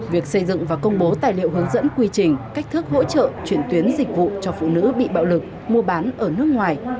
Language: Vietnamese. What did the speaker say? việc xây dựng và công bố tài liệu hướng dẫn quy trình cách thức hỗ trợ chuyển tuyến dịch vụ cho phụ nữ bị bạo lực mua bán ở nước ngoài